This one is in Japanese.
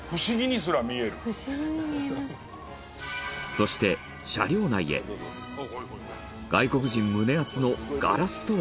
そして、車両内へ外国人胸アツのガラスとは？